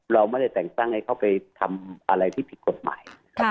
เราไม่ได้แต่งตั้งให้เขาไปทำอะไรที่ผิดกฎหมายนะครับ